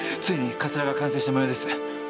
ついにかつらが完成したもようです。